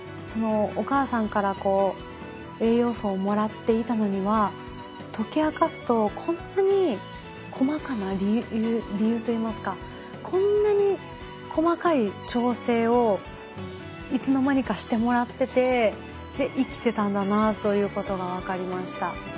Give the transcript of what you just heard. そのお母さんからこう栄養素をもらっていたのには解き明かすとこんなに細かな理由といいますかこんなに細かい調整をいつの間にかしてもらってて生きてたんだなということが分かりました。